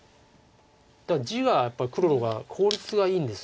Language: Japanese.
地はやっぱり黒の方が効率がいいんです。